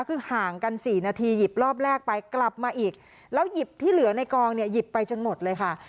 คือห่างกัน๔นาทีหยิบรอบแรกไปกลับมาอีกแล้วหยิบที่เหลือในกองเนี่ยหยิบไปจนหมดเลยค่ะ